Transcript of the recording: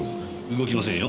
動きませんよ。